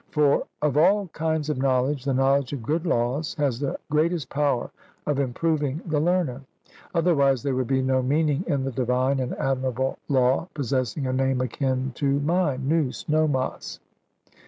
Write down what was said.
For of all kinds of knowledge the knowledge of good laws has the greatest power of improving the learner; otherwise there would be no meaning in the divine and admirable law possessing a name akin to mind (nous, nomos).